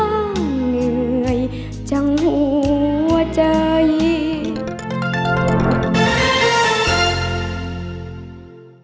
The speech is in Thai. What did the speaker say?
เงื่อยจังหัวเจ้าอีก